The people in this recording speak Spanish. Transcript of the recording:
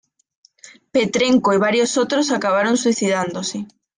Petrenko y varios otros acabaron suicidándose.